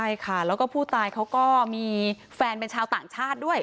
ใช่ค่ะแล้วก็ผู้ตายเขาก็มีแฟนเป็นชาวต่างชาติด้วย